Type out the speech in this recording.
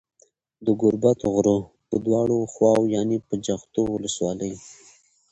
د گوربت غروه په دواړو خواوو يانې په جغتو ولسوالۍ